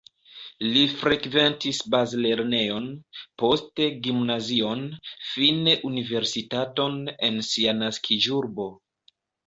Li frekventis bazlernejon, poste gimnazion, fine universitaton en sia naskiĝurbo.